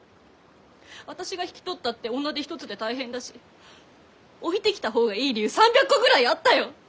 あたしが引き取ったって女手一つで大変だし置いてきた方がいい理由３００個ぐらいあったよ！